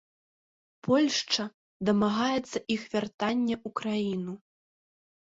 Польшча дамагаецца іх вяртання ў краіну.